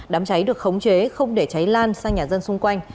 đám cháy được khống chế không để cháy lan sang nhà dân xung quanh